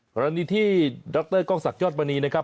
กรณีที่ดรกรศักยศวันนี้นะครับ